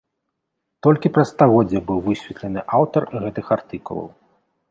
Толькі праз стагоддзе быў высветлены аўтар гэтых артыкулаў.